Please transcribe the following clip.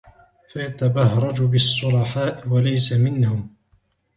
فَيَتَبَهْرَجَ بِالصُّلَحَاءِ وَلَيْسَ مِنْهُمْ